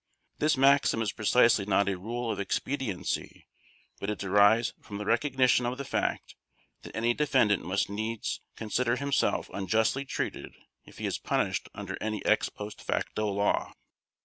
This maxim is precisely not a rule of expediency but it derives from the recognition of the fact that any defendant must needs consider himself unjustly treated if he is punished under an ex post facto law.